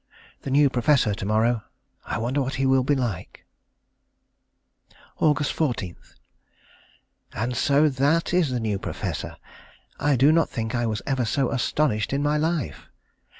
The new professor to morrow. I wonder what he will be like. Aug. 14. And so that is the new professor! I do not think I was ever so astonished in my life.